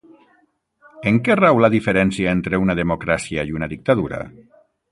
En què rau la diferència entre una democràcia i una dictadura?